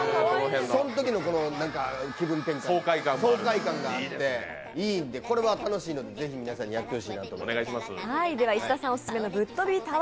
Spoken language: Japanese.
そんときの気分転換、爽快感があっていいんでこれは楽しいので、ぜひ皆さんにやってほしいなと思います。